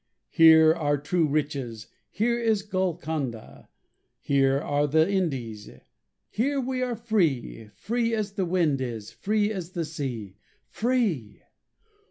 Here are true riches, Here is Golconda, Here are the Indies, Here we are free Free as the wind is, Free, as the sea. Free!